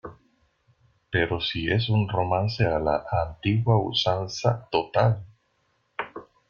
pero si es un romance a la antigua usanza total.